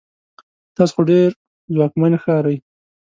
تاسو خو ډیر ځواکمن ښکارئ